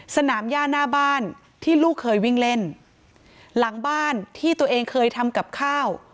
สนามย่าหน้าบ้านที่ลูกเคยวิ่งเล่นหลังบ้านที่ตัวเองเคยทำกับข้าว